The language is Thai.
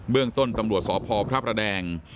เรื่องต้นตำรวจสพพระประแดง